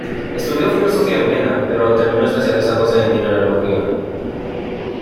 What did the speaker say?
Estudió filosofía en Viena, pero terminó especializándose en mineralogía.